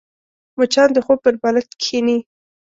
مچان د خوب پر بالښت کښېني